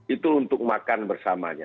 itu untuk makan bersamanya